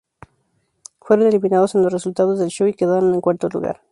Fueron eliminados en los resultados del show y quedaron en cuarto lugar.